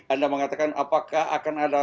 anda mengatakan apakah akan ada